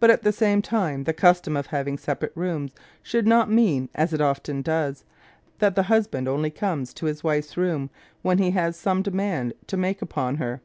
But at the same time the custom of having separate rooms should not mean, as it often does, that the husband only comes to his wife's room when he has some demand to make upon her.